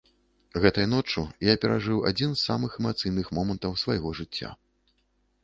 Гэтай ноччу я перажыў адзін з самых эмацыйных момантаў свайго жыцця.